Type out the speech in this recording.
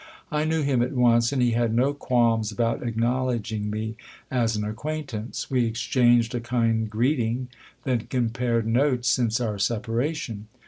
I knew him at once, and he had no qualms about acknowledging me as an acquaint ance. We exchanged a kind greeting, then compared notes since our separa tion.